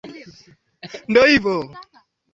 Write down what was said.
Kiswahili kama lugha ya kitumwa lakini pia lugha